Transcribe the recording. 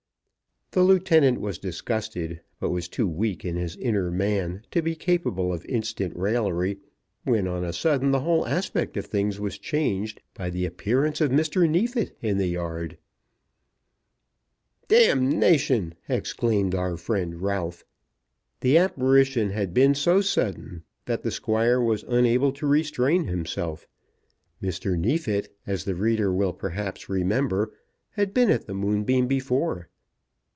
The lieutenant was disgusted, but was too weak in his inner man to be capable of instant raillery; when, on a sudden, the whole aspect of things was changed by the appearance of Mr. Neefit in the yard. "D tion!" exclaimed our friend Ralph. The apparition had been so sudden that the Squire was unable to restrain himself. Mr. Neefit, as the reader will perhaps remember, had been at the Moonbeam before.